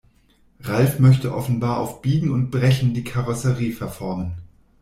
Ralf möchte offenbar auf Biegen und Brechen die Karosserie verformen.